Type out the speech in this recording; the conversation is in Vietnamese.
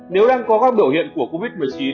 nếu đang có các biểu hiện của covid một mươi chín